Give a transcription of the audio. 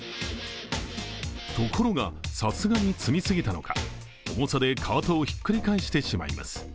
ところがさすがに積み過ぎたのか重さでカートをひっくり返してしまいます。